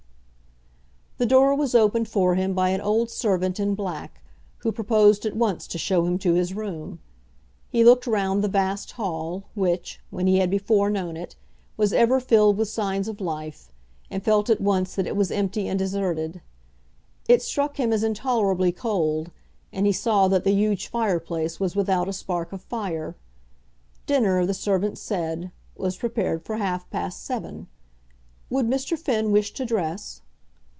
The door was opened for him by an old servant in black, who proposed at once to show him to his room. He looked round the vast hall, which, when he had before known it, was ever filled with signs of life, and felt at once that it was empty and deserted. It struck him as intolerably cold, and he saw that the huge fireplace was without a spark of fire. Dinner, the servant said, was prepared for half past seven. Would Mr. Finn wish to dress?